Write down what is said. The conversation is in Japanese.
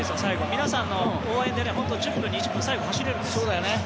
皆さんの応援で１０分、２０分最後走れるんです。